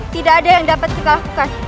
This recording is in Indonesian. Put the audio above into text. tidak ada yang dapat kita lakukan